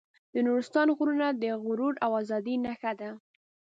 د نورستان غرونه د غرور او ازادۍ نښه ده.